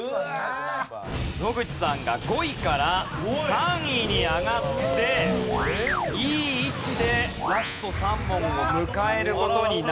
野口さんが５位から３位に上がっていい位置でラスト３問を迎える事になりました。